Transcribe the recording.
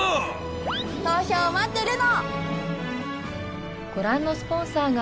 投票待ってるの！